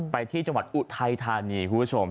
ไปที่จังหวัดอุทัยธานีคุณผู้ชม